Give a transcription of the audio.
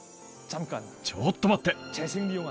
ちょっと待って！